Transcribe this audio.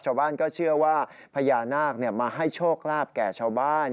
ชาวบ้านก็เชื่อว่าพญานาคมาให้โชคลาภแก่ชาวบ้าน